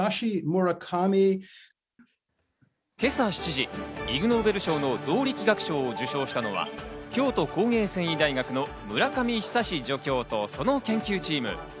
けさ７時、イグ・ノーベル賞の動力学賞を受賞したのは、京都工芸繊維大学の村上久助教とその研究チーム。